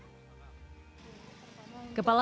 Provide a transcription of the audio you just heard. berjumlah empat ratus delapan puluh delapan ratus enam puluh jiwa